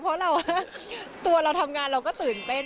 เพราะเราตัวเราทำงานเราก็ตื่นเต้น